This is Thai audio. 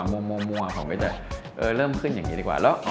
มัวผมก็จะเริ่มขึ้นอย่างนี้ดีกว่าเนอะ